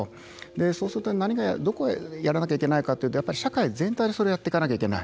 そうすると、どこをやらなければいけないかというとやっぱり社会全体でそれをやっていかないといけない。